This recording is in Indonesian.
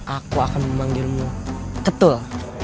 aku akan memanggilmu ketul